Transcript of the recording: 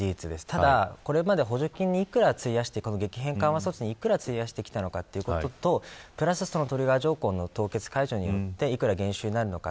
ただ、これまで補助金にいくら費やしてきたのかということとトリガー条項の凍結解除でいくら減収になるのか。